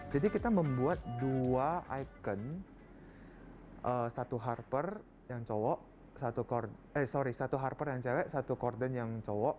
jadi kita membuat dua icon satu harper yang cewek satu carden yang cowok